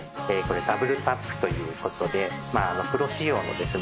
ダブルタップということでプロ仕様のですね